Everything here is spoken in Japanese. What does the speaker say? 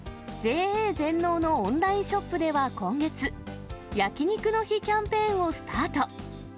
ＪＡ全農のオンラインショップでは今月、焼き肉の日キャンペーンをスタート。